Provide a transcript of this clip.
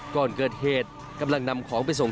ก่อนเกิดเหตุกำลังนำของไปส่ง